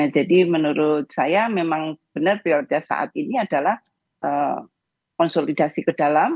jadi menurut saya memang benar prioritas saat ini adalah konsolidasi ke dalam